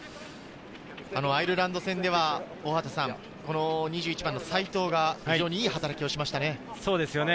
アイルランド戦では２１番の齋藤が非常にいい働きをしましたね。